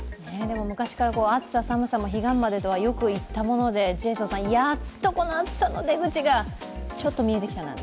昔から暑さ寒さも彼岸までとはよく言ったものでやっとこの暑さの出口がちょっと見えてきたなと。